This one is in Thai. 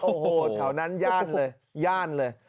โอ้โหแถวนั้นย่านเลยย่านเลย